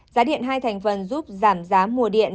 giá điện hai thành phần giúp giảm giá mùa điện